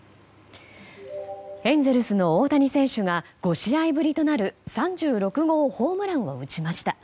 エンゼルスの大谷選手が５試合ぶりとなる３６号ホームランを打ちました。